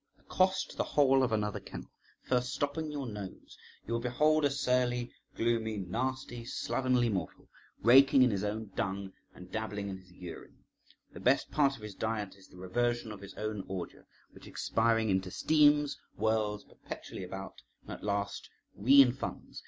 Accost the hole of another kennel, first stopping your nose, you will behold a surly, gloomy, nasty, slovenly mortal, raking in his own dung and dabbling in his urine. The best part of his diet is the reversion of his own ordure, which expiring into steams, whirls perpetually about, and at last reinfunds.